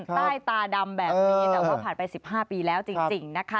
ใต้ตาดำแบบนี้แต่ว่าผ่านไป๑๕ปีแล้วจริงนะคะ